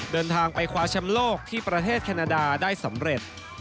เดินทางไปคว้าแชมป์โลกที่ประเทศแคนาดาได้สำเร็จ